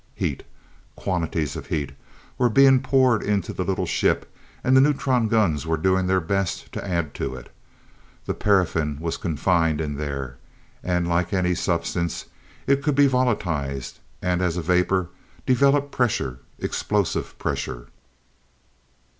Heat quantities of heat were being poured into the little ship, and the neutron guns were doing their best to add to it. The paraffin was confined in there and like any substance, it could be volatilized, and as a vapor, develop pressure explosive pressure!